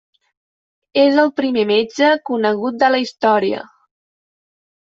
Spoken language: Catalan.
És el primer metge conegut de la història.